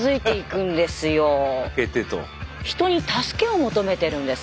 人に助けを求めてるんです。